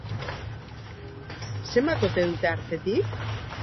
Zenbat ote dute artetik?